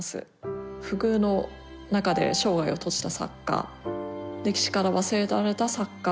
不遇の中で生涯を閉じた作家歴史から忘れられた作家